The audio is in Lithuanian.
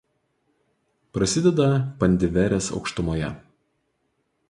Prasideda Pandiverės aukštumoje.